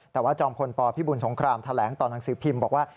แต่ว่าจอมพลปพิบุญสงครามแถลงต่อหนังสือพิมพ์บอกว่า